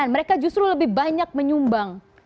mereka justru lebih banyak menyumbang